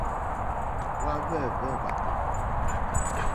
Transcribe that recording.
Hwáhwɛ̂hwɛ́ hwàtò.